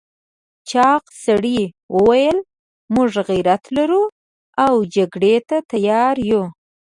چاغ سړي وویل موږ غيرت لرو او جګړې ته تيار یو.